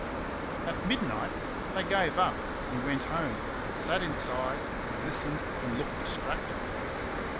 At midnight they gave up, and went home, and sat inside and listened, and looked distracted.